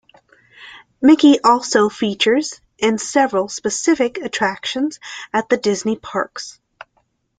Mickey also features in several specific attractions at the Disney parks.